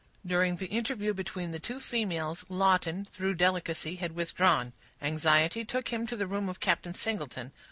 During the interview between the two females, Lawton, through delicacy, had withdrawn. Anxiety took him to the room of Captain Singleton.